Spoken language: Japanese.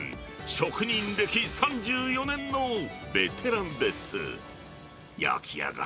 職人歴３４年のベテランです。